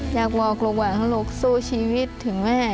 อยากบอกลูกว่าลูกสู้ชีวิตถึงแม่